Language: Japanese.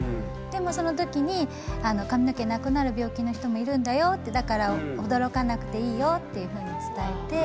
でもそのときに髪の毛なくなる病気の人もいるんだよってだから驚かなくていいよっていうふうに伝えて。